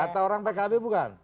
kata orang pkb bukan